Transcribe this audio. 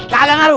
gak ada ngaruh